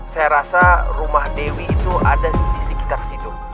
saya rasa rumah dewi itu ada di sekitar situ